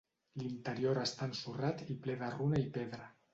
L'interior està ensorrat i ple de runa i pedra.